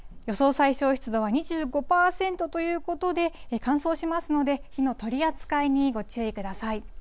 最小湿度は２５％ということで、乾燥しますので、火の取り扱いにご注意ください。